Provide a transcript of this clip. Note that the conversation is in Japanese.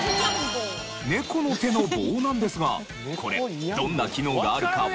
猫の手の棒なんですがこれどんな機能があるかわかりますか？